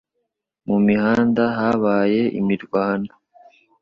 Mu mihanda habaye imirwano